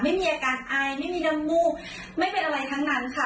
ไม่มีอาการอายไม่มีน้ำมูกไม่เป็นอะไรทั้งนั้นค่ะ